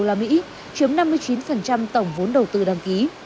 chiếm năm mươi chín tổng vốn đầu tư đăng ký